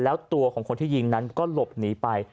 แล้วตัวของคนที่ยิงนั้นก็หลบหนีไป